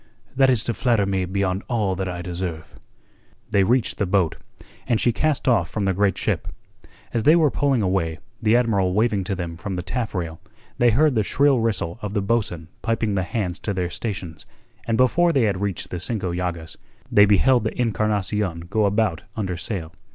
"That is to flatter me beyond all that I deserve." They reached the boat; and she cast off from the great ship. As they were pulling away, the Admiral waving to them from the taffrail, they heard the shrill whistle of the bo'sun piping the hands to their stations, and before they had reached the Cinco Llagas, they beheld the Encarnacion go about under sail.